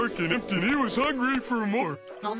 何？